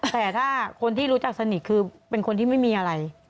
แต่ถ้าคนที่รู้จักสนิทคือเป็นคนที่ไม่มีอะไร